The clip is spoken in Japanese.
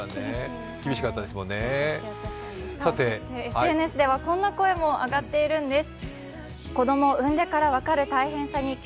ＳＮＳではこんな声も上がっているんです。